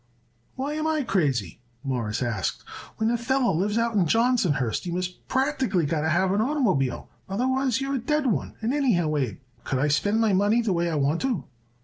"Why am I crazy?" Morris asked. "When a feller lives out in Johnsonhurst you must practically got to have an oitermobile, otherwise you are a dead one. And anyhow, Abe, couldn't I spend my money the way I want to?"